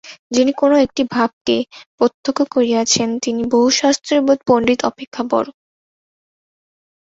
যিনি কোন একটি ভাবকে প্রত্যক্ষ করিয়াছেন, তিনি বহুশাস্ত্রবিদ পণ্ডিত অপেক্ষা বড়।